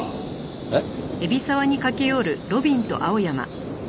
えっ？